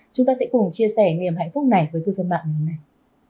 chúng ta sẽ cùng chia sẻ niềm hạnh phúc này với cư dân mạng